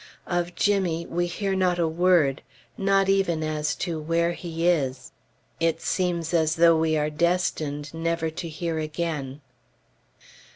Of Jimmy we hear not a word, not even as to where he is. It seems as though we are destined never to hear again.